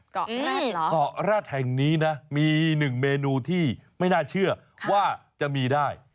เกาะแร็ดเหรอเกาะแร็ดแห่งนี้นะมีหนึ่งเมนูที่ไม่น่าเชื่อว่าจะมีได้